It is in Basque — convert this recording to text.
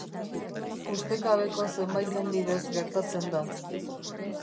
Ustekabeko zenbaiten bidez gertatzen da.